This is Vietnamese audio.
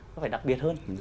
nó phải đặc biệt hơn